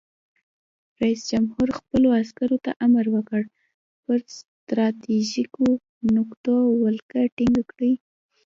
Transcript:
رئیس جمهور خپلو عسکرو ته امر وکړ؛ پر ستراتیژیکو نقطو ولکه ټینګه کړئ!